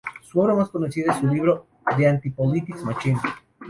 Su obra más conocida es su libro, "The Anti-Politics Machine".